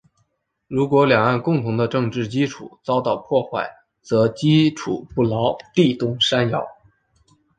如果两岸共同的政治基础遭到破坏，则基础不牢，地动山摇。